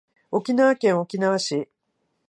沖縄県沖縄市